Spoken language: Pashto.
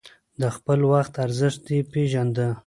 د خپل وخت ارزښت يې پېژانده.